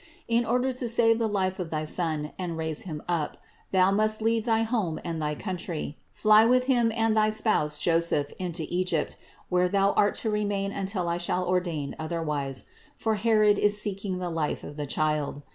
In order to save the life of thy Son and raise Him up, Thou must leave thy home and thy country, fly with Him and thy spouse Joseph into Egypt, where Thou art to remain until I shall ordain otherwise: for Herod is seeking the life of the Child.